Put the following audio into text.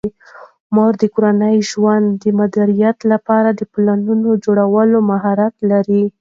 مور د کورني ژوند د مدیریت لپاره د پلان جوړولو مهارت لري.